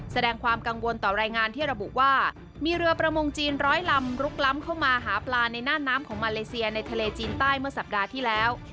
แสดงความกังวลต่อรายงานที่ระบุว่ามีเรือประมงจีนร้อยลำลุกล้ำเข้ามาหาปลาในน่านน้ำของมาเลเซียในทะเลจีนใต้เมื่อสัปดาห์ที่แล้ว